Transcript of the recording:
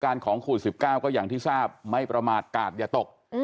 ของโควิด๑๙ก็อย่างที่ทราบไม่ประมาทกาดอย่าตก